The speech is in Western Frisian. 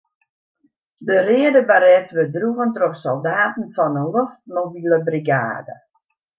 De reade baret wurdt droegen troch soldaten fan 'e loftmobile brigade.